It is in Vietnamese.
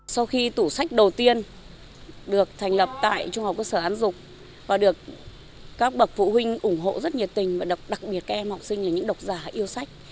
sau khi tủ sách đầu tiên được thành lập tại trung học cơ sở án dục và được các bậc phụ huynh ủng hộ rất nhiệt tình và đặc biệt các em học sinh là những độc giả yêu sách